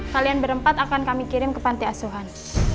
kalian berempat akan kami kirim ke panti asuhan